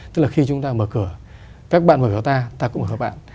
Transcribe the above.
tức là khi chúng ta mở cửa các bạn mở cửa ta ta cũng mở cửa bạn